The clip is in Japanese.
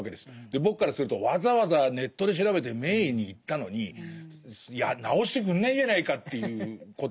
僕からするとわざわざネットで調べて名医に行ったのに治してくんないじゃないかということになるんです。